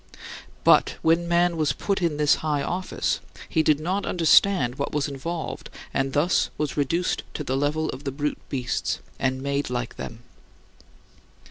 " But, when man was put in this high office, he did not understand what was involved and thus was reduced to the level of the brute beasts, and made like them.